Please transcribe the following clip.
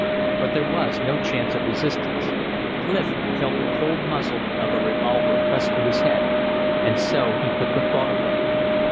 But there was no chance of resistance. Clif felt the cold muzzle of a revolver pressed to his head, and so he put the thought away.